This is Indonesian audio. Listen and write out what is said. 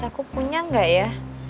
aku punya gak ya